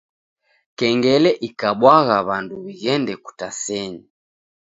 Kengele ikabwagha w'andu w'ighende kutasenyi.